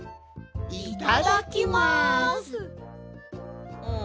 いただきます！